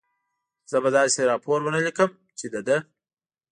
زه به داسې راپور و نه لیکم، چې د ده.